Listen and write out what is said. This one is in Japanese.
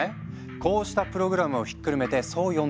こうしたプログラムをひっくるめてそう呼んでいるんだ。